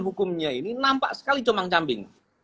hukumnya ini nampak sekali comang cambing